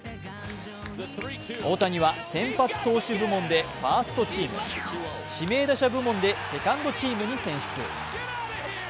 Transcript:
大谷は先発投手部門でファーストチーム、指名打者部門でセカンドチームに選出。